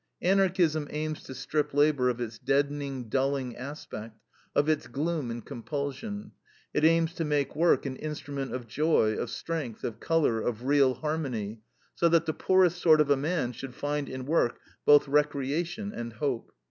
Anarchism aims to strip labor of its deadening, dulling aspect, of its gloom and compulsion. It aims to make work an instrument of joy, of strength, of color, of real harmony, so that the poorest sort of a man should find in work both recreation and hope.